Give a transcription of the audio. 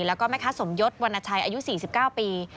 แล้วก็แม่ค้าสมยศวรรณชัยอายุ๔๙ปี